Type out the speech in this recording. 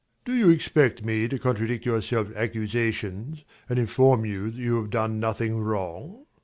ABBÉ. Do you expect me to contradict your self accusations and inform you that you have done nothing wrong?